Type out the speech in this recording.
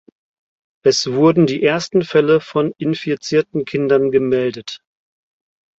Es wurden die ersten Fälle von infizierten Kindern gemeldet.